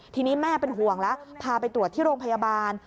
ทีนี้แม่เป็นห่วงแล้วพาไปตรวจที่โรงพยาบาล